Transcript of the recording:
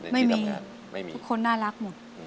ไม่มีทุกคนน่ารักหมด